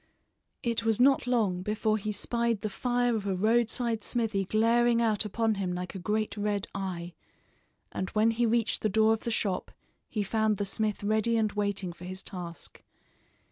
It was not long before he spied the fire of a roadside smithy glaring out upon him like a great red eye, and when he reached the door of the shop he found the smith ready and waiting for his task.